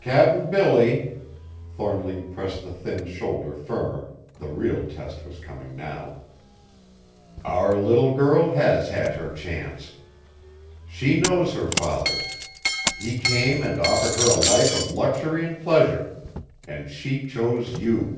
"Cap'n Billy," Thornly pressed the thin shoulder firmer, the real test was coming now, "our little girl has had her chance. She knows her father; he came and offered her a life of luxury and pleasure and she chose you!"